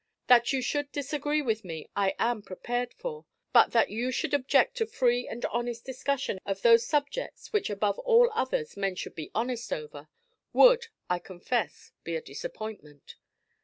That you should disagree with me I am prepared for; but that you should object to free and honest discussion of those subjects which above all others men should be honest over, would, I confess, be a disappointment.